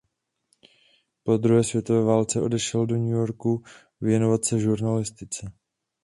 Po druhé světové válce odešel do New Yorku věnovat se žurnalistice.